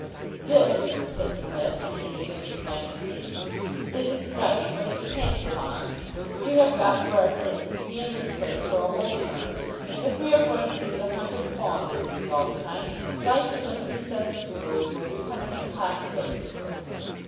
"This," said Psmith, leaning against the mantelpiece, "is exciting, but it can't go on. We have got for our sins to be in this place for a whole term, and if we are going to do the Hunted Fawn business all the time, life in the true sense of the word will become an impossibility.